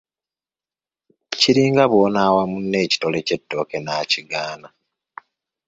Kiringa bw'onaawa munno ekitole ky'ettooke n'akigaana.